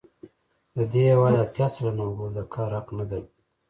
د دې هېواد اتیا سلنه وګړو د کار حق نه درلود.